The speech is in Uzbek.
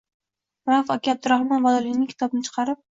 Rauf aka Abdurahmon Vodiliyning kitobini chiqarib